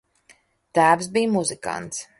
Tēvs bija muzikants.